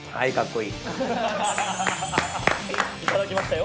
いただきましたよ。